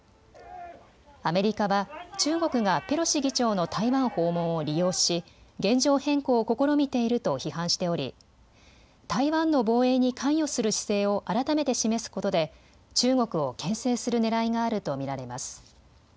アメリカは中国がペロシ議長の台湾訪問を利用し、現状変更を試みていると批判しており台湾の防衛に関与する姿勢を改めて示すことで中国をけん制するねらいがあると見られます。